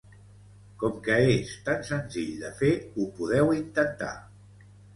Com que és tan senzill de fer, ho podeu intentar.